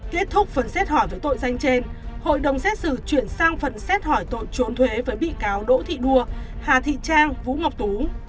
kết thúc phần xét hỏi với tội danh trên hội đồng xét xử chuyển sang phần xét hỏi tội trốn thuế với bị cáo đỗ thị đua hà thị trang vũ ngọc tú